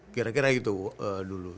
kira kira itu dulu